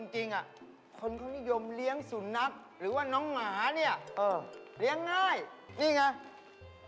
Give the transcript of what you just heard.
จริงคนเขานิยมเลี้ยงสุนัขหรือว่าน้องหมาเนี่ยเลี้ยงง่ายนี่ไง